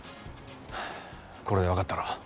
これでわかったろ？